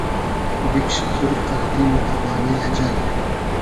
بیکشی پور اردی مۉ دۂ بانې اجئل